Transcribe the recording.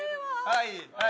はい！